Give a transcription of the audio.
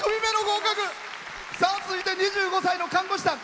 続いて２５歳の看護師さん。